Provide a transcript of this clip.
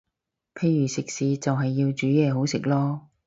譬如食肆就係要煮嘢好食囉